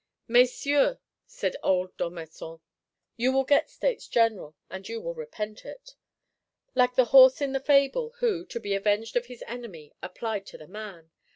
'Messieurs,' said old d'Ormesson, 'you will get States General, and you will repent it.' Like the Horse in the Fable, who, to be avenged of his enemy, applied to the Man.